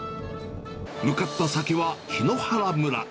向かった先は檜原村。